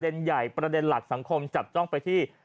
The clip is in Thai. ใหญ่ประเด็นหลักสังคมจับจ้องไปที่